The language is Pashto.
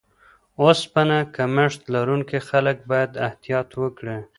اوسپنه کمښت لرونکي خلک باید احتیاط وکړي.